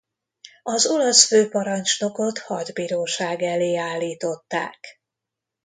Az olasz főparancsnokot hadbíróság elé állították.